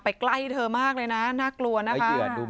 ใกล้เธอมากเลยนะน่ากลัวนะคะ